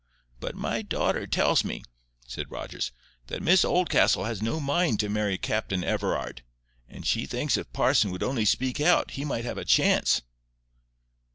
"But my daughter tells me," said Rogers, "that Miss Oldcastle has no mind to marry Captain Everard. And she thinks if parson would only speak out he might have a chance."